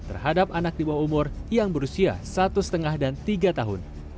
terhadap anak di bawah umur yang berusia satu lima dan tiga tahun